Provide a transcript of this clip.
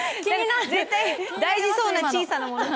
絶対大事そうな小さなもの。